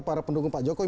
para pendukung pak jokowi